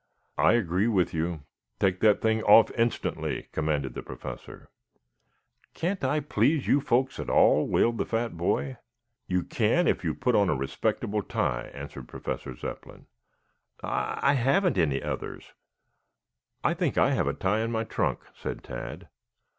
"I agree with you. Take that thing off instantly!" commanded the Professor. "Can't I please you folks at all?" wailed the fat boy. "You can if you will put on a respectable tie," answered Professor Zepplin. "I I haven't any others." "I think I have a tie in my trunk," said Tad.